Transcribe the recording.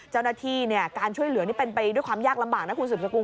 เจ้าหน้าที่การช่วยเหลือนี่เป็นไปด้วยความยากลำบากนะคุณสืบสกุล